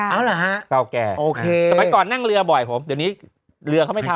เอาเหรอฮะเก่าแก่โอเคสมัยก่อนนั่งเรือบ่อยผมเดี๋ยวนี้เรือเขาไม่ทำ